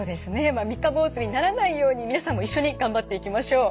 三日坊主にならないように皆さんも一緒に頑張っていきましょう。